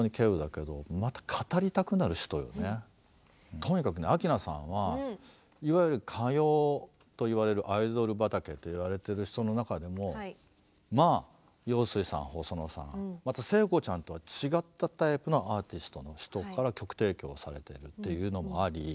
とにかくね明菜さんはいわゆる歌謡と言われるアイドル畑と言われてる人の中でもまあ陽水さん細野さんまた聖子ちゃんとは違ったタイプのアーティストの人から曲提供をされてるっていうのもあり来生